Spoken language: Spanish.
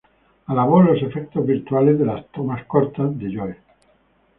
Alabó los efectos visuales de las tomas cortas de Joe.